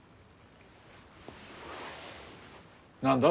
何だ？